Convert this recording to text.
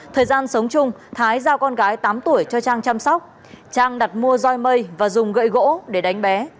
thời gian sống chung thái giao con gái tám tuổi cho trang chăm sóc trang đặt mua roi mây và dùng gậy gỗ để đánh bé